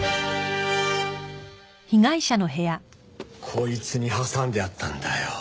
こいつに挟んであったんだよ。